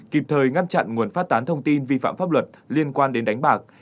kịp thời ngăn chặn nguồn phát tán thông tin vi phạm pháp luật liên quan đến đánh bạc